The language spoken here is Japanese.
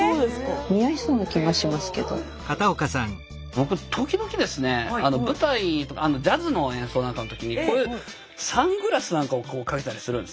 僕時々ですね舞台ジャズの演奏なんかの時にサングラスなんかをこうかけたりするんですね。